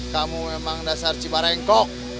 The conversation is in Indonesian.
kamu emang dasar ciparengkok